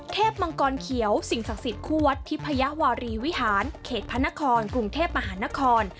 มังกรเขียวสิ่งศักดิ์สิทธิคู่วัดทิพยาวารีวิหารเขตพระนครกรุงเทพมหานคร